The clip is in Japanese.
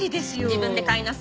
自分で買いなさい。